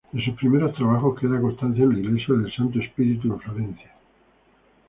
De sus primeros trabajos queda constancia en la Iglesia del Santo Spirito en Florencia.